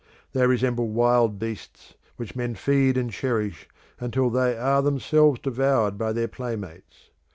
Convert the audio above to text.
They resemble wild beasts which men feed and cherish until they are themselves devoured by their playmates.